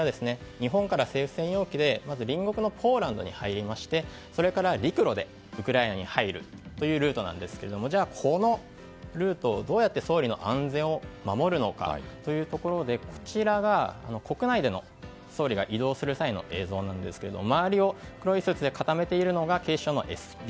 日本から政府専用機で隣国のポーランドに入りましてそれから陸路でウクライナに入るというルートなんですがじゃあ、このルートでどうやって総理の安全を守るのかというところでこちらが、国内での総理が移動する際の映像なんですが周りを黒いスーツで固めているのが警視庁のＳＰ。